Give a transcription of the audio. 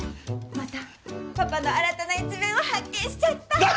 またパパの新たな一面を発見しちゃった！